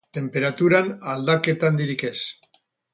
Tenperaturan, aldaketa handirik ez.